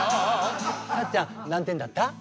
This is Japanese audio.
さっちゃん何点だった？